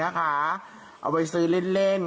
เอาไปซื้อเล่น